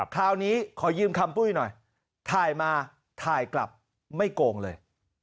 คราวนี้ขอยืมคำปุ้ยหน่อยถ่ายมาถ่ายกลับไม่โกงเลย